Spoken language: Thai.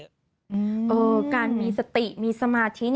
เออการมีสติมีสมาธิ